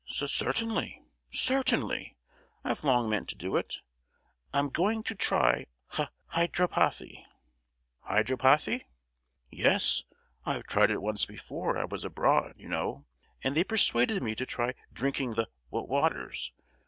"C—certainly, certainly! I've long meant to do it. I'm going to try hy—hydropathy!" "Hydropathy?" "Yes. I've tried it once before: I was abroad, you know, and they persuaded me to try drinking the wa—waters.